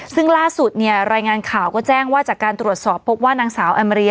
ซึ่งล่าสุดเนี่ยรายงานข่าวก็แจ้งว่าจากการตรวจสอบพบว่านางสาวแอมเรีย